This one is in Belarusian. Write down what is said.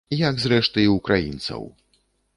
Як, зрэшты, і ўкраінцаў.